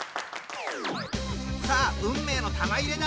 さあ運命の玉入れだ！